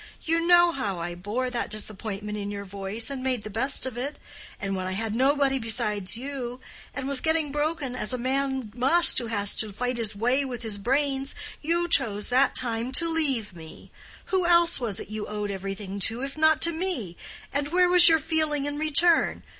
You know how I bore that disappointment in your voice, and made the best of it: and when I had nobody besides you, and was getting broken, as a man must who has had to fight his way with his brains—you chose that time to leave me. Who else was it you owed everything to, if not to me? and where was your feeling in return?